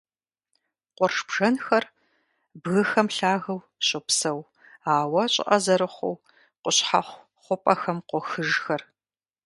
Къурш бжэнхэр бгыхэм лъагэу щопсэу, ауэ щӀыӀэ зырыхъуу, къущхьэхъу хъупӀэхэм къохыжхэр.